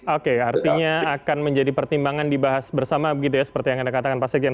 oke artinya akan menjadi pertimbangan dibahas bersama begitu ya seperti yang anda katakan pak sekjen